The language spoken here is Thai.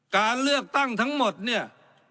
การเลือกตั้งทั้งหมดเนี่ย